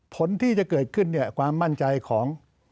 ผลที่จะเกิดขึ้นเนี่ยความมั่นใจของ